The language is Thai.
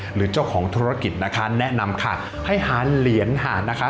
หรือเจ้าของธุรกิจนะคะแนะนำค่ะให้หาเหรียญหาดนะคะ